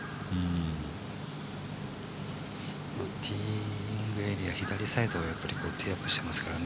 ティーイングエリア左サイド、ティーアップしてますからね。